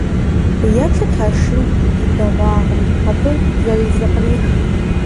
Еплъыт а шым и дэгъуагъым! Абы зэрызыкърих!